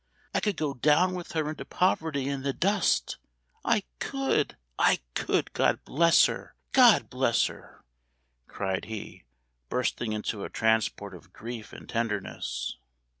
I could go down with her into poverty and the dust! I could I could God bless her! God bless her!" cried he, bursting into a transport of grief and tenderness.